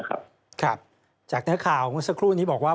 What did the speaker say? ครับจากเนื้อข่าวเมื่อสักครู่นี้บอกว่า